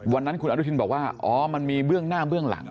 วันนั้นคุณอนุทินบอกว่าอ๋อมันมีเบื้องหน้าเบื้องหลัง